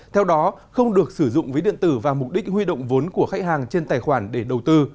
theo đó không được sử dụng ví điện tử và mục đích huy động vốn của khách hàng trên tài khoản để đầu tư